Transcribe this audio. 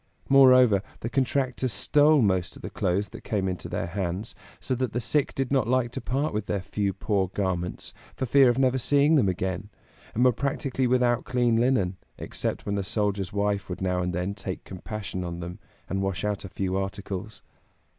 Moreover, the contractors stole most of the clothes that came into their hands, so that the sick did not like to part with their few poor garments, for fear of never seeing them again, and were practically without clean linen, except when a soldier's wife would now and then take compassion on them, and wash out a few articles.